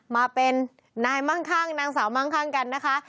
มาเป็นนายมั่งข้างนางสาวมั่งข้างกันนะคะ